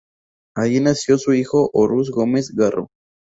Allí nació su hijo Horus Gómez Garro.